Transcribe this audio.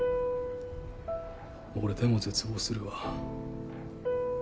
俺でも絶望するわ。